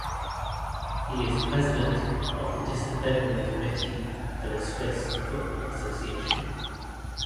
He is president of the Disciplinary Committee for the Swiss Football Association.